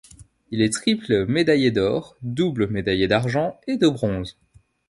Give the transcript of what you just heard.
Il est triple médaillé d'or, double médaillé d'argent et de bronze.